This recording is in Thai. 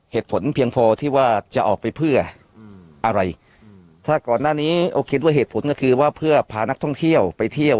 เหตุผลเพียงพอที่ว่าจะออกไปเพื่ออะไรถ้าก่อนหน้านี้โอเคด้วยเหตุผลก็คือว่าเพื่อพานักท่องเที่ยวไปเที่ยว